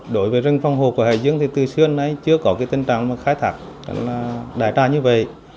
đối với rừng phòng hộ của hải dương thì từ xưa đến nay chưa có tình trạng khai thác đại tra như vậy